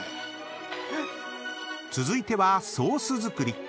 ［続いてはソース作り］